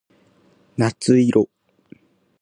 夏色